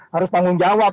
harus tanggung jawab